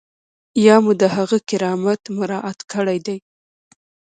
یا مو د هغه کرامت مراعات کړی دی.